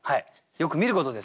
よく見ることですね。